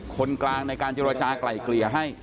คนกลางในการเจรจากลายเกลี่ยให้